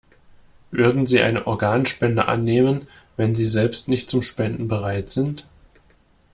Würden Sie eine Organspende annehmen, wenn Sie selbst nicht zum Spenden bereit sind?